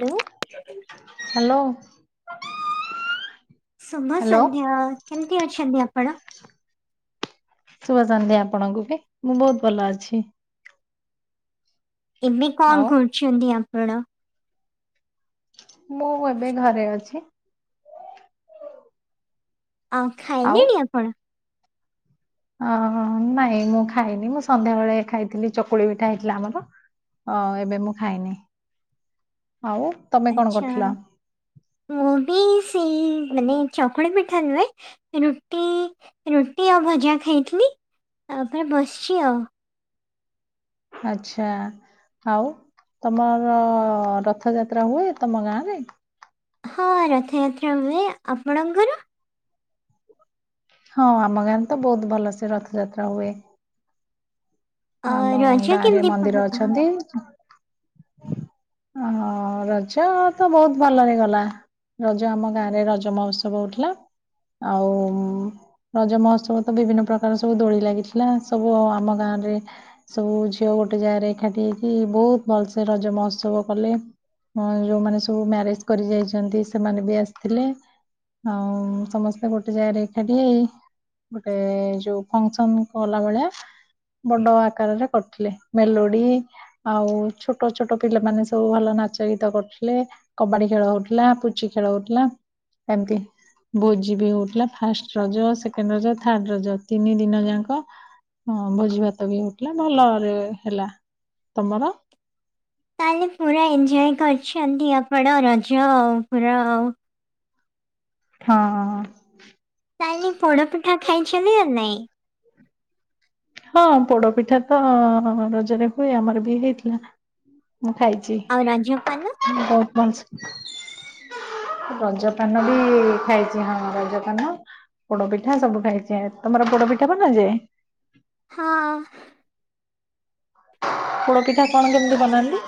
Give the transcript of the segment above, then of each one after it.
Hello hello. Hello ଶୁଭସନ୍ଧ୍ୟା, କେମିତି ଅଛନ୍ତି ଆପଣ? ଶୁଭସନ୍ଧ୍ୟା ଆପଣଙ୍କୁ ବି, ମୁଁ ବହୁତ ଭଲ ଅଛି। ଏବେ ଆଉ କଣ କରୁଛନ୍ତି ଆପଣ? ମୁଁ ଏବେ ଘରେ ଅଛି। ଆଉ ଖାଇଲେଣି ଆପଣ? ଅହ ନାଇଁ ମୁଁ ଖାଇନି ମୁଁ ସନ୍ଧ୍ୟାବେଳେ ଖାଇଥିଲି ଚକୁଳି ପିଠା ହେଇଥିଲା ଆମର। ଅ ଏବେ ମୁଁ ଖାଇନି। ଆଉ ତମେ କଣ ଆଛା କରୁଥିଲ? ମୁଁ ବି ସେଇ ମାନେ ବି ଚକୁଳି ପିଠା ନୁହେଁ, ରୁଟି, ରୁଟି ଆଉ ଭଜା ଖାଇଥିଲି। ତା ଆପେ ବସଛି ଆଉ। ଆଛା। ଆଉ ତମର ରଥଯାତ୍ରା ହୁଏ, ତମ ଗାଁ ରେ? ହଁ ରଥଯାତ୍ରା ହୁଏ ଆପଣଙ୍କର? ହଁ ଆମ ଗାଁରେ ତ ବହୁତ ଭଲ ସେ ରଥଯାତ୍ରା ହୁଏ। ଅ ଆମ ରଜ ଗାଁ ରେ କେମିତି ପାଳ ମନ୍ଦିର ଅ ଅଛନ୍ତି ଅ ରଜ ତ ବହୁତ ଭଲରେ ଗଲା। ରଜ ଆମ ଗାଁରେ ରଜ ମହୋତ୍ସବ ହଉଥିଲା। ଆଉ ରଜ ମହୋତ୍ସବ ତ ବିଭିନ୍ନ ପ୍ରକାର ସବୁ ଦୋଳି ଲାଗିଥିଲା, ସବୁ ଅ ଆମ ଗାଁରେ ସବୁ ଝିଅ ଗୋଟେ ଜାଗାରେ ଏକାଠି ହେଇକି ବହୁତ ଭଲସେ ରଜ ମହୋତ୍ସବ କଲେ। ହଁ ଯୋଉମାନେ ସବୁ ମ୍ୟାରେଜ୍ କରି ଯାଇଛନ୍ତି, ସେମାନେ ବି ଆସଥିଲେ। ଆଉ ସମସ୍ତେ ଗୋଟେ ଜାଗାରେ ଏକାଠି ହେଇ ଗୋଟେ ଯୋଉ ଫଙ୍କସନ କଲା ବଳିଆ ବଡ ଆକାରରେ କରୁଥିଲେ, ମେଲୋଡି ଆଉ ଛୋଟ ଛୋଟ ପିଲାମାନେ ସବୁ ଭଲ ନାଚ ଗୀତ କରୁଥିଲେ, କବାଡି ଖେଳ ହଉଥିଲା, ପୁଚି ଖେଳ ହଉଥିଲା ଏମିତି। ଭୋଜି ବି ହଉଥିଲା first Raja, second Raja, third Raja ତିନି ଦିନ ଯାଙ୍କ ହଁ ଭୋଜି ଭାତ ବି ହଉଥିଲା, ଭଲରେ ହେଲା। ତମର? ତାହେଲେ ପୁରା ଏନ୍ଜୟ କର ଛନ୍ତି ଆପଣ ରଜ ପୁରାଉ ହଁ। ତାନି ପୋଡପିଠା ଖାଇଛନ୍ତି ନା ନାଇଁ? ହଁ ପୋଡ ପିଠା ତ ହ ରଜରେ ହୁଏ, ଆମର ବି ହେଇଥିଲା। ମୁଁ ଖାଇଛି ଆଉ ରଜପାନ? [unintelligible] ରଜପାନ ବି ଖାଇଛି। ହଁ ରଜପାନ ଅ ପୋଡ ପିଠା ସବୁ ଖାଇଛି। ତମର ପୋଡ ପିଠା ବନାଯାଏ? ହଁ। ପୋଡ ପିଠା କଣ କେମିତି ବନାନ୍ତି?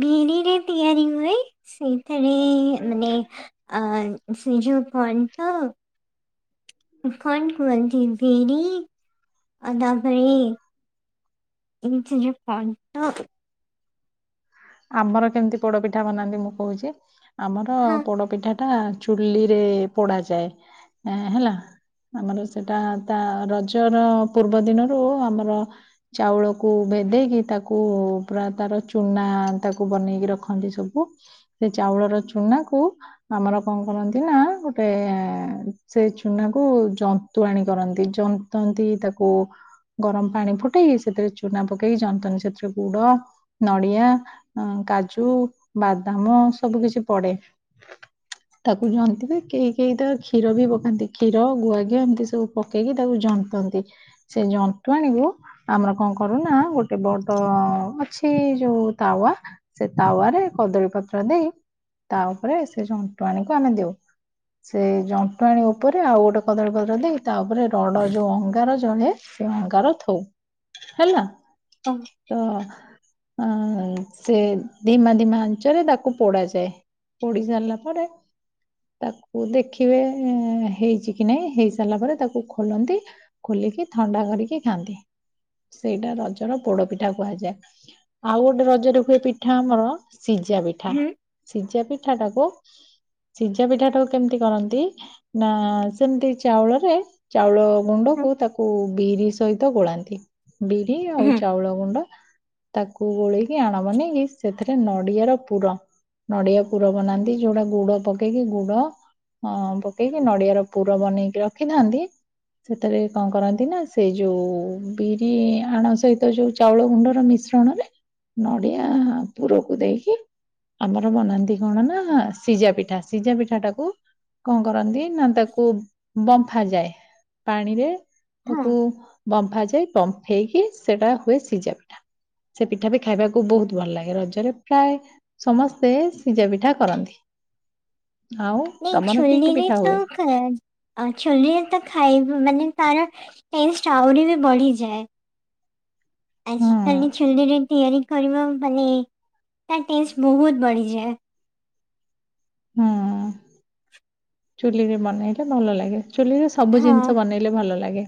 ବିରିରେ ତିଆରି ହୁଏ। ସେଇଥିରେ ମାନେ ଆ ସିଯୁ କଣନ୍ତ? କଣ କୁଅନ୍ତି। ବିରି ଆଦାଭଳି ଇ ସିଜଉ କନ୍ତ ଆମର କେମିତି ପୋଡପିଠା ବନାନ୍ତି? ମୁଁ କହୁଛି, ଆମର ହଁ ପୋଡପିଠା ଟା ଚୁଲିରେ ଏ ପୋଡ଼ା ଯାଏ ଏଁ ହେଲା। ଆମର ସେଟା ତା ରଜର ପୂର୍ବ ଦିନରୁ ଆମର ଚାଉଳକୁ ଭେ ଭେଦେଇକି, ତାକୁ ପୁରା ତାର ଚୁନା ଆ ତାକୁ ବନେଇକି ରଖନ୍ତି ସବୁ। ସେ ଚାଉଳର ଚୁନାକୁ ଆମର କଣ କରନ୍ତି ନା ଗୋଟଏ -ଏଁ ସେ ଚୁନାକୁ ଜନ୍ତୁଆଣି କରନ୍ତି। ଜନ୍ତନ୍ତି ତାକୁ ଗରମ ପାଣି ଫୁଟେଇକି, ସେଥିରେ ଚୁନା ପକେଇକି ଯନ୍ତନ୍ତି। ସେଥିରେ ଗୁଡ, ନଡିଆ ଆ କାଜୁ, ବାଦାମ ସବୁ କିଛି ପଡେ। ତାକୁ ଜନ୍ତିବେ। କେହି କେହି ତ କ୍ଷୀର ବି ପକାନ୍ତି। କ୍ଷୀର ଗୁଆଘିଅ ଏମିତି ସବୁ ପକେଇକି ତାକୁ ଜ ଜନ୍ତନ୍ତି। ସେ ଜନ୍ତୁଆଣୀକୁ ଆମର କଣ କରୁନା ଗୋଟେ ବଡ ଅଁ ଅଛି ଏ ଯୋଉ ତାୱା ସେ ତାୱରେ କଦଳୀ ପତ୍ର ଦେଇ, ତା ଉପରେ ସେ ଜନ୍ତୁଆଣୀ କୁ ଆମେ ଦେଉ। ସେ ଜଣ୍ଟୁଆଣି ଉପରେ, ଆଉ ଗୋଟେ କଦଳୀପତ୍ର ଦେଇ ତାପରେ ରଡ ଯୋଉ ଅଙ୍ଗାର ଜଳେ ସେ ଅଙ୍ଗାର ଥୋଉ ହେଲା। ଓ, ତ ଆଁ ସେ ଧିମା ଧିମା ଆଞ୍ଚରେ ତାକୁ ପୋଡ ଯାଏ ପୋଡି ସାରିଲା ପରେ ତାକୁ ଦେଖିବେ ଏ ହେଇଛି କି ନାଇଁ ହେଇସାରିଲା ପରେ ତାକୁ ଖୋଲନ୍ତି ଖୋ ଲିକି ଥଣ୍ଡା କରିକି ଖାଆନ୍ତି। ସେଇଟା ରଜର ପୋଡ ପିଠା କୁହାଯାଏ ଆଉ ଗୋଟେ ରଜରେ ଏ ପିଠା ଆମର ସିଝା ପିଠା ହୁଁ ସିଝା ପିଠା ଟାକୁ ସିଝା ପିଠା ଟାକୁ କେମିତି କରନ୍ତି ନା ସେମିତି ଚାଉଳରେ ଚାଉଳ ହୁଁ, ଗୁଣ୍ଡକୁ ତାକୁ ବିରି ସହିତ ଗୋଳାନ୍ତି ବିରି ଆଉ ହୁଁ, ଚାଉଳ ଗୁଣ୍ଡ ତାକୁ ଗୋଳେଇକି ଆଣ ନଡିଆ ର ପୁର ନଡିଆ ପୁର ବନାନ୍ତି ଯୋଉଟା ଗୁଡ ପକେଇକି ଗୁଡ ହଁ ପକେଇକି ନଡିଆ ର ପୁର ବନେଇକି ରଖିଥାନ୍ତି। ସେଥିରେ କଣ କରନ୍ତି ନା ସେ ଯୋଉ ବିରି ଆଣ ସହିତ ଯୋଉ ଚାଉଳ ଗୁଣ୍ଡର ମି ଶ୍ରଣରେ ନଡିଆ ପୁରକୁ ଦେଇକି ଆମର ବନାନ୍ତି କଣ ନା ସିଝା ପିଠା ସିଝା ପିଠା ଟାକୁ କଣ କରନ୍ତି ନା ତାକୁ ବମ୍ଫା ଯାଏ ପାଣିରେ ହଁ ତାକୁ ବମ୍ଫା ଯାଏ ବମ୍ଫେଇକି ସେଟା ହୁଏ ସିଝା ପିଠା ସେ ପିଠା ବି ଖାଇବା କୁ ବୋହୁତ ଭଲ ଲାଗେ ରଜରେ ପ୍ରାୟ ସମସ୍ତେ ସିଝା ପିଠା କରନ୍ତି। ଆଉ ନ ତମର କି କି ଚୁଲିରେ ପିଠା ହୁଏ? ତ ଚୁଲିରେ ତ ଖାଇବ ମାନେ ତାର ଟେଷ୍ଟ ଆହୁରି ବି ବଢିଯାଏ ହୁଁ ଆଜିିକାଲି ଚୁଲିରେ ତିଆରି କରିବ ମାନେ ତା ଟେଷ୍ଟ ବହୁତ ବଢିଯାଏ। ହୁଁ ଚୁଲିରେ ବନେଇଲେ ଭଲ ଲାଗେ। ଚୁଲିରେ ସବୁ ହଁ ଜିନିଷ ବନେଇଲେ ଭଲ ଲାଗେ।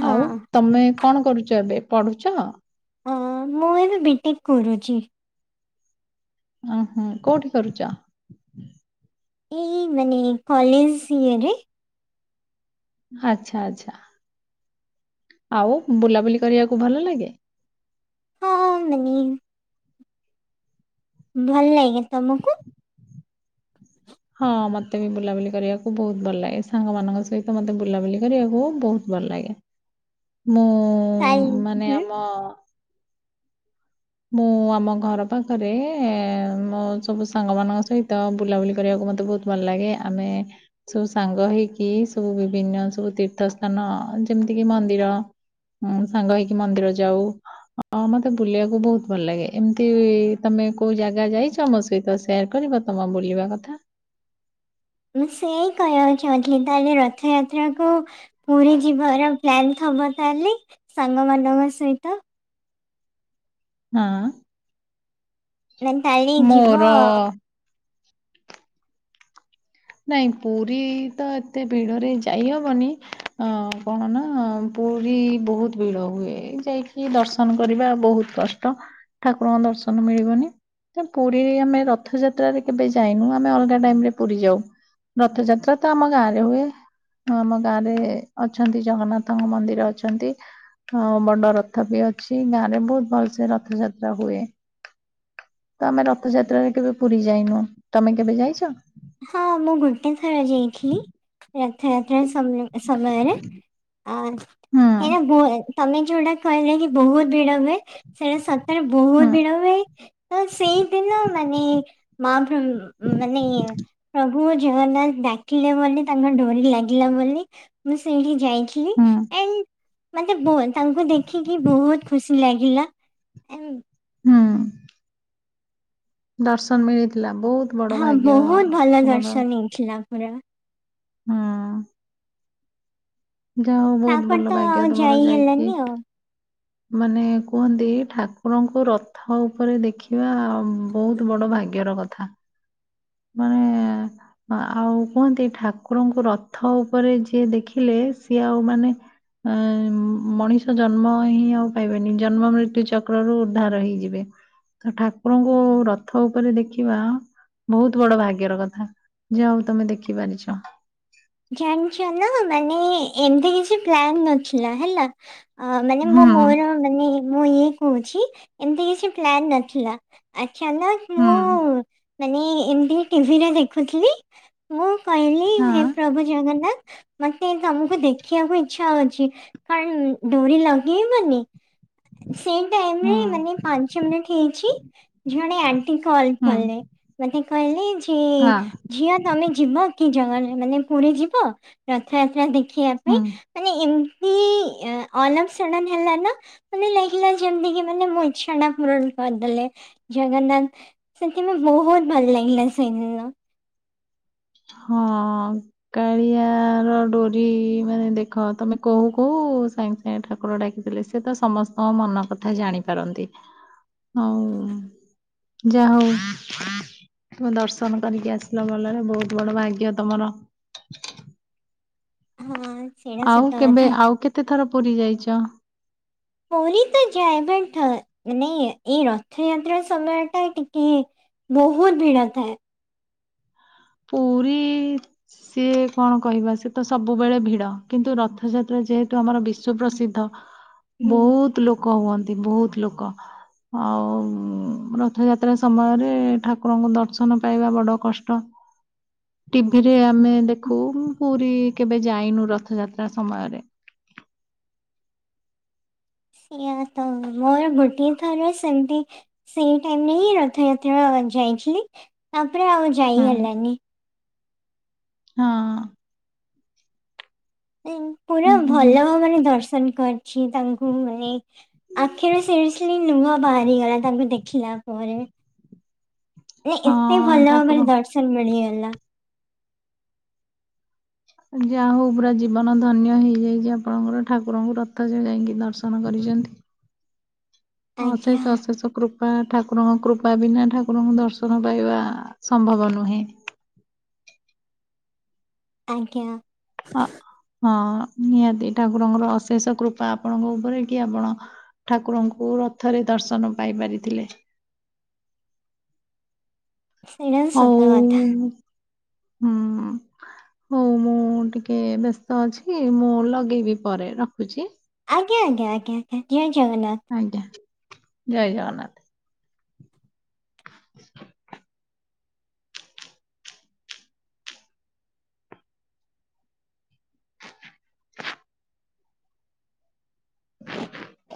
ହଁ ଆଉ ତମେ କଣ କରୁଛ ଏବେ ପଢୁଚ? ହଁ ମୁଁ ଏବେ ବି ଟିକେ କରୁଚି। ଓ ହୋ କୋଉଠି କରୁଚ? ଏଇ ମାନେ କଲେଜ ଇଏରେ ଆଚ୍ଛା ଆଚ୍ଛା। ଆଉ ବୁଲାବୁଲି କରିବାକୁ ଭଲ ଲାଗେ? ହଁ ମାନେ ଭଲ ଲାଗେ ତମକୁ? ହଁ ମତେ ବି ବୁଲାବୁଲି କରିବାକୁ ବହୁତ ଭଲ ଲାଗେ। ସାଙ୍ଗ ମାନଙ୍କ ସହିତ ମତେ ବୁଲାବୁଲି କରିବାକୁ ବୋହୁତ ଭଲ ଲାଗେ ମୁଁ ତାଇ ମାନେ ହୁଁ। ଆମ ମୁଁ ଆମ ଘର ପାଖରେ ମୋ ସବୁ ସାଙ୍ଗ ମାନଙ୍କ ସହିତ ବୁଲାବୁଲି କରିବାକୁ ମତେ ବୋହୁତ ଭଲ ଲାଗେ ଆମେ ସବୁ ସାଙ୍ଗ ହେଇକି ସବୁ ବିଭିନ୍ନ ସବୁ ତୀର୍ଥସ୍ଥାନ ଯେମିତି କିି ମନ୍ଦିର ସାଙ୍ଗ ହେଇକି ମନ୍ଦିର ଯାଉ ମତେ ବୁଲିବାକୁ ବୋହୁତ ଭଲ ଲାଗେ ଏମିତି ତମେ କୋଉ ଜାଗା ଯାଇଛ ମୋ ସହିତ ସେୟାର କରିବ ତମ ବୁଲିବା କଥା। ମୁଁ ସେୟା କହିବାକୁ ଚାହୁଁଥିଲି ତାହେଲେ ରଥଯାତ୍ରାକୁ ପୁରୀ ଯିବାର ପ୍ଲାନ୍ ହବ ତାହେଲେ ସାଙ୍ଗ ମାନଙ୍କ ସହିତ ହଁ ନା ତାହେଲେ ଯିବ ମୋର ନାଇଁ ପୁରୀ ତ ଏତେ ଭିଡରେ ଯାଇହବନି ଅ କଣ ନା ପୁରୀ ବୋହୁତ ଭିଡ ହୁଏ ଯାଇକି ଦର୍ଶନ କରିବା ବୋହୁତ କଷ୍ଟ ଠାକୁରଙ୍କ ଦର୍ଶ ନ ମିଳିବନି ପୁରୀରେ ଆମେ ରଥଯାତ୍ରାରେ କେବେ ଯାଇନୁ ଆମେ ଅଲଗା ଟାଇମରେ ପୁରୀ ଯାଉ। ରଥଯାତ୍ରା ତ ଆମ ଗାଁ ରେ ହୁଏ। ହଁ ଆମ ଗାଁରେ ଅଛନ୍ତି। ଜଗନ୍ନାଥଙ୍କ ମନ୍ଦିର ଅଛନ୍ତି। ଆ ବଡ ରଥ ବି ଅଛି ଗାଁ ରେ ବୋହୁତ ଭଲସେ ରଥଯାତ୍ରା ହୁଏ। ତ ଆମେ ରଥଯାତ୍ରାରେ କେବେ ପୁରୀ ଯାଇନୁ। ତମେ କେବେ ଯାଇଚ? ହଁ ମୁଁ ଗୋଟେ ଥର ଯାଇଥିଲି ରଥଯାତ୍ରା ସମୟରେ ଆ ହୁଁ ଏଇନା ତମେ ଯୋଉଟା କହିଲ କି ବହୁତ ଭିଡ ହୁଏ ସେଇଟା ସ ତା ବହୁତ ହୁଁ ଭିଡ ହୁଏ ତ ସେଇଦିନ ମାନେ ମା କ ମାନେ ପ୍ରଭୁ ଜଗନ୍ନାଥ ଡାକିଲେ ବୋଲି ତାଙ୍କ ଡୋରି ଲାଗିଲା ବୋଲି ମୁଁ ସେଇଠି ହୁଁ ଯାଇଥିଲି [unintelligible] ତାଙ୍କୁ ଦେଖିକି ବହୁତ ଖୁସି ଲାଗିଲା ଆନ୍ ହଁ। ଦର୍ଶନ ମିଳିଥି ହଁ ବହୁତ ଭଲ ତମର ଦର୍ଶନ ହେଇଥିଲା ପୁରା ହୁଁ। ଯା ହଉ ବହୁତ ତାପରେ ଭଲ ତ ଭାଗ୍ୟ ଆଉ ତମର ଯାଇ ଯାଇକି ହେଲାନି ଆଉ। ମାନେ କୁହନ୍ତି ଠାକୁରଙ୍କୁ ରଥ ଉପରେ ଦେଖିବା ବହୁତ ବଡ ଭାଗ୍ୟ ର ଭାଗ୍ୟର କଥା ମାନେ ଆଉ କୁହନ୍ତି ଠାକୁରଙ୍କୁ ରଥ ଉପରେ ଯିଏ ଦେଖିଲେ ସିଏ ଆଉ ମାନେ ଆ ମଣିଷ ଜନ୍ମ ହିଁ ଆଉ ପାଇବେନି ଜନ୍ମ ମୃତ୍ୟୁ ଚକ୍ରରୁ ଉଦ୍ଧାର ହେଇଯିବେ। ତ ଠାକୁରଙ୍କୁ ରଥ ଉପରେ ଦେଖିବା ବହୁତ ବଡ ଭାଗ୍ୟର କଥା ଯାହାହଉ ତମେ ଦେଖି ପାରିଛ। ଜାଣିଛ ନା ମାନେ ଏମିତି କିଛି ପ୍ଲାନ ନଥିଲା ହେଲା ଆ ମାନେ ମୁଁ ମର ମାନେ ମୁଁ ଇଏ କହୁଛି ଏମିତି କିଛି ପ୍ଲାନ ନଥିଲା ଅଚାନକ ମୁଁ ମାନେ ଏମିତି ଟିଭିରେ ଦେଖୁଥିଲି ମୁଁ କହିଲି ପ୍ରଭୁ ଜଗନ୍ନାଥ ମତେ ତମକୁ ଦେଖିବାକୁ ଇଚ୍ଛା ହଉଛି କାଇଁ ଡୋରି ଲଗେଇବନି? ସେଇ ଟାଇମ୍ ରେ ମାନେ ପାଞ୍ଚ ମିନିଟ ହେଇଚି ଜଣେ ମତେ କଲ୍ କଲେ ମତେ କହିଲେ ଯେ ଝିଅ ତମେ ଯିବ। କି ଜଗନ୍ନା ମାନେ ପୁରୀ ଯିବ ରଥଯାତ୍ରା ଦେଖିବା ପାଇଁ ମାନେ ଏମ ଅଁ [unintelligible] ହେଲା ନା ମାନେ ଲାଗିଲା ଯେମିତି କି ମାନେ ମୋ ଇଚ୍ଛାଟା ପୂରଣ କରିଦେଲେ। ଜଗନ୍ନାଥ ସେଥିପାଇଁ ବହୁତ ଭଲ ଲାଗିଲା ସେହିଦିନ। ହଁ କାଳିଆ ର ଡୋରି ମାନେ ଦେଖ ତମେ କହୁ କହୁ ହୁ ସାଙ୍ଗେ ସାଙ୍ଗେ ଠାକୁର ଡାକିଥିଲେ ସେ ତ ସମସ୍ତଙ୍କ ମନ କଥା ଜାଣିପାରନ୍ତି। ହଉ। ଯା ହଉ ତମ ଦର୍ଶନ କରିକି ଆସିଲ ଭଲରେ ବହୁତ ବଡ ଭାଗ୍ୟ ତମର। ହଁ ସେଇଟା ଆଉ ସତ କେବେ କଥା ଆଉ କେତେ ଥର ପୁରୀ ଯାଇଚ? ପୁରୀ ତ ଯାଏ ବଟ୍ ହଁ ମାନେ ଏଇ ରଥଯାତ୍ରା ସମୟ ଟା ଟିକେ ବହୁତ ଭିଡ଼ ଥାଏ। ପୁରୀ ସିଏ କଣ କହିବା ସେ ତ ସବୁବେଳେ ଭିଡ କିନ୍ତୁ ରଥଯାତ୍ରା ଯେହେତୁ ଆମର ବିଶ୍ଵ ପ୍ରସିଦ୍ଧ ହୁଁ ବହୁତ ଲୋକ ହୁଅନ୍ତି ବହୁତ ଲୋକ। ଆଉ ରଥଯାତ୍ରା ସମୟରେ ଠାକୁରଙ୍କୁ ଦର୍ଶନ ପାଇବା ବଡ କଷ୍ଟ। ଟିଭିରେ ଆମେ ଦେଖୁ ପୁରୀ କେବେ ଯାଇନୁ ରଥଯାତ୍ରା ସମୟରେ। ସେଇଆ ତ ମୋର ଗୋଟିଏ ଥର ସେମିତି ସେଇ ଟାଇମ୍ ରେ ହିଁ ରଥଯାତ୍ରା ତ ଯାଇଥିଲି ତାପରେ ଆଉ ଯାଇ ହୁଁ ହେଲାନି। ହଁ। ପୁରା ହୁଁ ହୁଁ, ହୁଁ। ଭଲ ମାନେ ଦର୍ଶନ କରିଛି ତାଙ୍କୁ ମାନେ ଆଖିରୁ ସିରିସିଲି ଲୁହ ବାହାରିଗଲା ତାଙ୍କୁ ଦେଖିଲା ପରେ। ଏତେ ହଁ ଭଲ ମାନେ ଠାକୁର ଦର୍ଶନ ମିଳିଗଲା। ଯାହା ହଉ ପୁରା ଜୀବନ ଧନ୍ୟ ହେଇଯାଇଛି ଆପଣଙ୍କର ଠାକୁରଙ୍କୁ ରଥ ଯାଇକି ଦର୍ଶନ କରିଛନ୍ତି। ଆଜ୍ଞା ଅଶେଷ ଅଶେଷ କୃପା। ବା ଠାକୁରଙ୍କ କୃପା ବିନା ଠାକୁରଙ୍କୁ ଦର୍ଶନ ପାଇବା ସମ୍ଭବ ନୁହେଁ। ଆଜ୍ଞା। ହଁ। ହଁ ନିହାତି ଠାକୁରଙ୍କର ଅଶେଷ କୃପା ଆପଣଙ୍କ ଉପରେ କି ଆପଣ ଠାକୁରଙ୍କୁ ରଥରେ ଦର୍ଶନ ପାଇ ପାରିଥିଲେ। ସେଇଟା ସତ କଥା ହଉ-ଉ ହଁ। ହଉ ମୁଁ ଟିକେ ବ୍ୟସ୍ତ ଅଛି, ମୁଁ ଲଗେଇବି ପରେ ରଖୁଛି। ଆଜ୍ଞ ଆଜ୍ଞା ଆଜ୍ଞା ଆଜ୍ଞା ଜଗନ୍ନାଥ। ଆଜ୍ଞା, ଜୟ ଜଗନ୍ନାଥ।